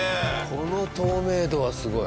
この透明度はすごい。